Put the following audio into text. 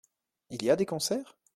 Il y a des concerts ?